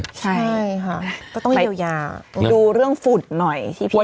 ใช่ค่ะก็ต้องเยียวยาดูเรื่องฝุ่นหน่อยที่พี่